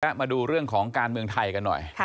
มาดูเรื่องของการเมืองไทยกันหน่อย